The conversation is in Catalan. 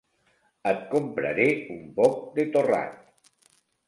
Et compraré un poc de torrat.